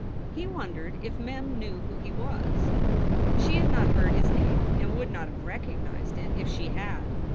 He wondered if Mem knew who he was. She had not heard his name, and would not have recognized it if she had.